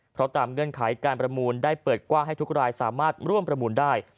เพราะตามเงื่อนไขการประมูลได้เปิดกว้างให้ทุกรายสามารถร่วมประมูลได้